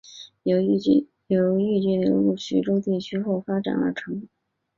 由豫剧流入徐州地区后发展而成。